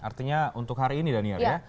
artinya untuk hari ini daniar ya